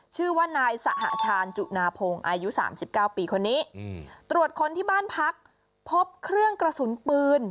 ชื่อว่านายสหชาญจุนาพงศ์อายุ๓๙ปีคนนี้ตรวจค้นที่บ้านพักพบเครื่องกระสุนปืน